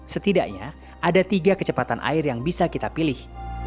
setidaknya ada tiga kecepatan air yang bisa kita pilih